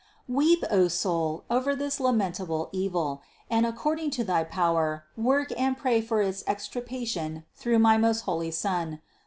Weep, O soul, over this lamentable evil, and according to thy power work and pray for its extirpation through my most holy Son.